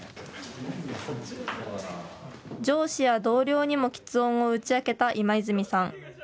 上司や同僚にもきつ音を打ち明けた今泉さん。